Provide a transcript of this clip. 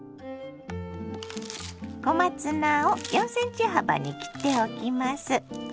小松菜を４ｃｍ幅に切っておきます。